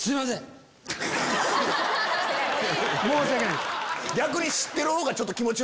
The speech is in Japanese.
申し訳ないです。